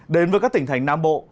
đến với các tỉnh thành nam bộ